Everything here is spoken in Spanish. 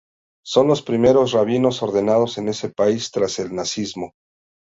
Son los primeros rabinos ordenados en ese país tras el nazismo.